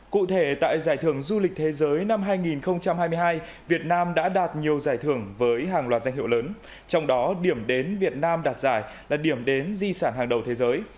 cụ thể tại giải thưởng du lịch thế giới năm hai nghìn hai mươi hai việt nam đã đạt nhiều giải thưởng với hàng loạt danh hiệu lớn trong đó điểm đến việt nam đạt giải là điểm đến di sản hàng đầu thế giới